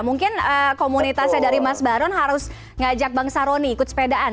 mungkin komunitasnya dari mas baron harus ngajak bang saroni ikut sepedaan